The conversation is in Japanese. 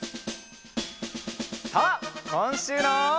さあこんしゅうの。